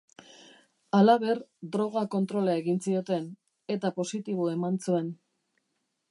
Halaber, droga kontrola egin zioten eta positibo eman zuen.